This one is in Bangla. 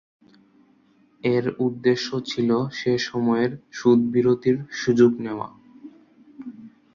এর উদ্দেশ্য ছিল সেসময়ের সুদ বিরতির সুযোগ নেওয়া।